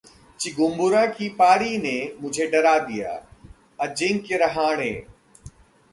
Chigumbura की पारी ने मुझे डरा दिया: अजिंक्य रहाणे